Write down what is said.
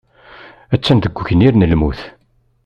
Attan deg ugnir n lmut.